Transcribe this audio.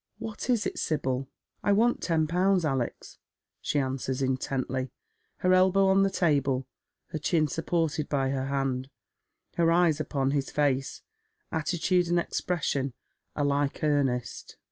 What is it, Sibyl ?"" I want ten pounds, Alex," she answers, intently, her elbow on the table, her clun supported by her hand, her eyes upon his face, attitude and expression alike earnest.